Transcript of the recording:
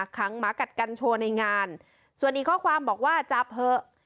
หมากัดกันโชว์ในงานส่วนอีกข้อความบอกว่าจับเถอะ